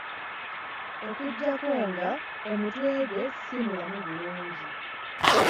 Okuggyako ng'omutwe gwe si mulamu bulungi.